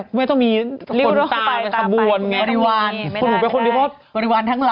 คุณแม่ต้องมีคนตามกับบวน